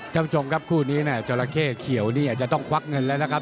ท่านผู้ชมครับคู่นี้จราเข้เขียวนี่อาจจะต้องควักเงินแล้วนะครับ